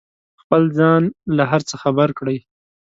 خپل ځان له هر څه خبر کړئ.